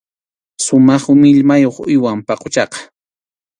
Sumaq millwayuq uywam paquchaqa.